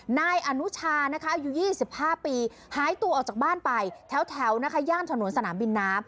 นายอนุชานะคะอายุ๒๕ปีหายตัวออกจากบ้านไปแถวนะคะย่านถนนสนามบินน้ำ